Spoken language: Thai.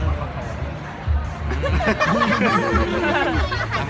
เนื้อพอครับประมาณ